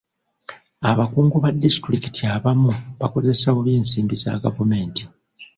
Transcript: Abakungu ba disitulikiti abamu bakozesa bubi ensimbi za gavumenti.